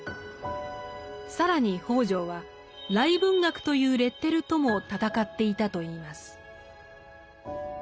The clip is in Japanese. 更に北條は「癩文学」というレッテルとも戦っていたといいます。